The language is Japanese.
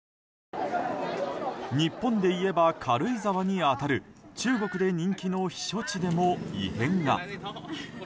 日本でいえば、軽井沢に当たる中国で人気の避暑地でも異変が。